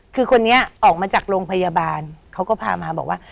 คือคนนี้ออกมาจากโรงพยาบาลเขาก็พามาบอกว่า